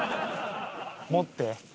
持って。